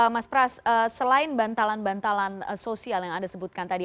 mas pras selain bantalan bantalan sosial yang anda sebutkan tadi